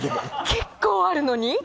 結構あるのに。